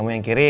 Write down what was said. kamu yang kiri